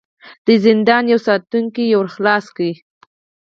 د زندان يوه ساتونکي يو ور خلاص کړ.